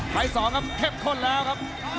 ไฟสองครับเข็บคนแล้วครับ